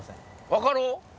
分かろう？